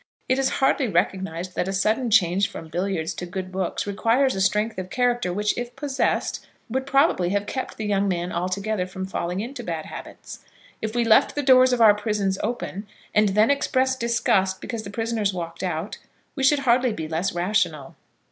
It is hardly recognised that a sudden change from billiards to good books requires a strength of character which, if possessed, would probably have kept the young man altogether from falling into bad habits. If we left the doors of our prisons open, and then expressed disgust because the prisoners walked out, we should hardly be less rational.